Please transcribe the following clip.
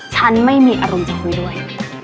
ฉันไม่มีอารมณ์จะคุยด้วย